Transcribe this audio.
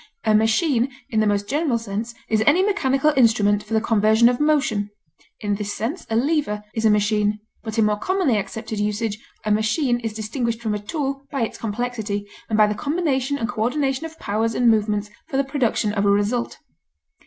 A machine in the most general sense is any mechanical instrument for the conversion of motion; in this sense a lever is a machine; but in more commonly accepted usage a machine is distinguished from a tool by its complexity, and by the combination and coordination of powers and movements for the production of a result.